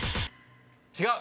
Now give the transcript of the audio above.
違う！